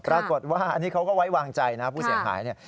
ปรากฏว่าอันนี้เขาก็ไว้วางใจนะผู้เสียหายเนี่ย